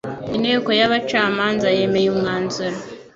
Inteko y'abacamanza yemeye umwanzuro